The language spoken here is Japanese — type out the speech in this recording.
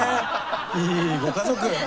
いいご家族。